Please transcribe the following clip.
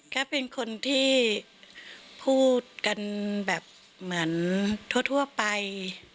ก็เป็นคนที่พูดกันแบบเหมือนทั่วไป